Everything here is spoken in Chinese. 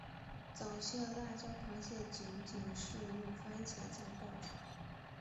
早期的辣椒螃蟹仅仅是用番茄酱爆炒。